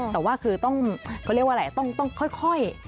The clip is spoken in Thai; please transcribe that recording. แต่ว่าต้องค่อยค่อย